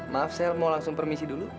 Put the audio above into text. maaf saya mau langsung permisi dulu